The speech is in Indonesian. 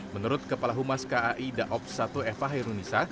menurut kepala humas kai daob satu eva herunisa